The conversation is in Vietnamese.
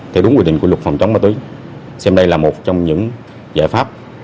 theo đúng quy định của luật phòng chống ma túy xem đây là một trong những giải pháp